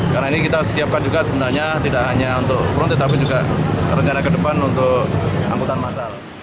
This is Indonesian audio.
karena ini kita siapkan juga sebenarnya tidak hanya untuk rotate tapi juga rencana ke depan untuk angkutan masalah